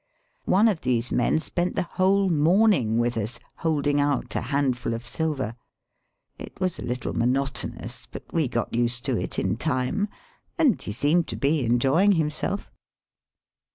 One of these men spent the whole morning with us, holding out a handful of silver. It was a little monotonous, but we got used to it in time, and he seemed to be enjoying himself.